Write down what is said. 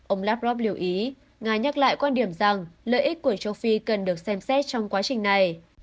ông lavrov lưu ý nga nhắc lại quan điểm rằng lợi ích của châu phi cần được xem xét trong quá trình này